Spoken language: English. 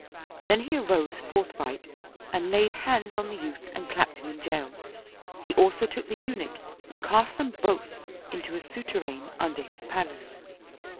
Then he arose forth right and laid hands on the youth and clapped him in jail; he also took the Eunuch and cast them both into a souter | ain under his palace.